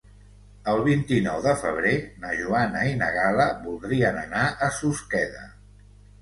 El vint-i-nou de febrer na Joana i na Gal·la voldrien anar a Susqueda.